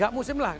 gak musim lah